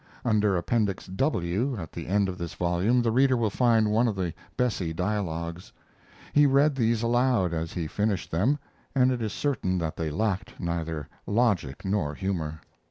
[Under Appendix w, at the end of this volume, the reader will find one of the "Bessie" dialogues.] He read these aloud as he finished them, and it is certain that they lacked neither logic nor humor.